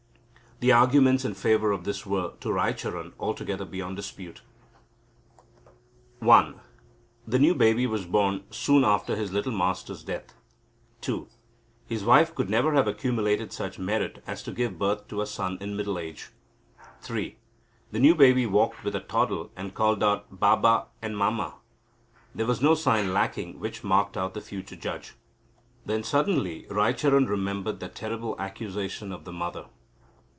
The arguments in favour of this were, to Raicharan, altogether beyond dispute: (i.) The new baby was born soon after his little master's death. (ii.) His wife could never have accumulated such merit as to give birth to a son in middle age. (iii.) The new baby walked with a toddle and called out Ba ba and Ma ma. There was no sign lacking which marked out the future judge. Then suddenly Raicharan remembered that terrible accusation of the mother.